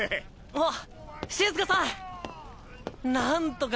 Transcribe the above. あっ。